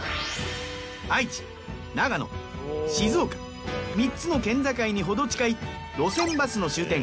愛知長野静岡３つの県境にほど近い路線バスの終点